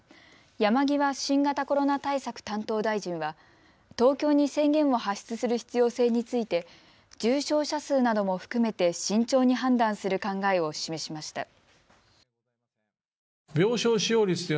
山際新型コロナ対策担当大臣は東京に宣言を発出する必要性について重症者数なども含めて慎重に判断する考えを示しました。